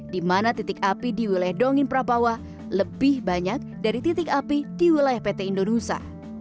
di mana titik api di wilayah dongin prapawa lebih banyak dari titik api di wilayah pt indonesia